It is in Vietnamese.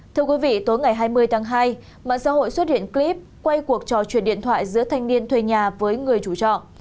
thưa quý vị tối ngày hai mươi tháng hai mạng xã hội xuất hiện clip quay cuộc trò chuyện điện thoại giữa thanh niên thuê nhà với người chủ trọ